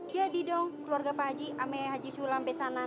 jadi dong keluarga pak haji ama haji sulam besanan